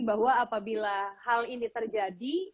bahwa apabila hal ini terjadi